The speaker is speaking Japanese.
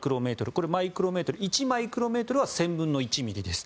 これ、マイクロメートル１マイクロメートルは１０００分の１ｍｍです。